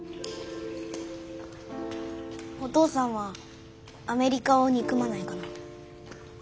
お父さんはアメリカを憎まないかな？